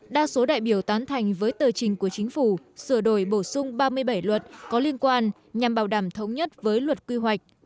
đa số đại biểu tán thành với tờ trình của chính phủ sửa đổi bổ sung ba mươi bảy luật có liên quan nhằm bảo đảm thống nhất với luật quy hoạch